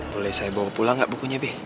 boleh saya bawa pulang gak bukunya be